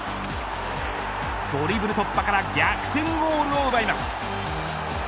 ドリブル突破から逆転ゴールを奪います。